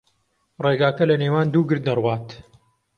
ڕێگاکە لەنێوان دوو گرد دەڕوات.